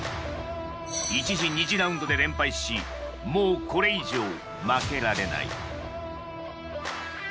１次、２次ラウンドで連敗しもうこれ以上負けられない。